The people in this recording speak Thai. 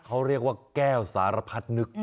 เขาเรียกว่าแก้วสารพัดนึก